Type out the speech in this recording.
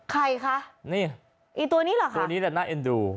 ใครคะนี่ไอ้ตัวนี้เหรอคะตัวนี้แหละน่าเอ็นดู